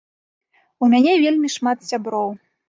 У мяне вельмі шмат сяброў.